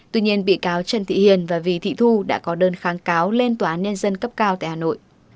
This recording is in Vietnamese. tuy nhiên bị cáo trần thị hiền và vy thị thu đã có đơn kháng cáo lên tòa niên dân cấp cao tại hà nội